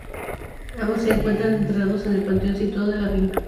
Ambos se encuentran enterrados en el panteón situado en la finca.